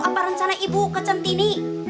apa rencana ibu ke centini